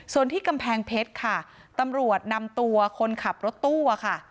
ส่วนที่กำแพงเพชรค่ะตำรวจนำตัวคนขับรถตู้อะค่ะ